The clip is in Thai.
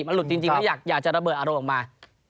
มันหลุดจริงแล้วอยากจะระเบิดอารมณ์ออกมา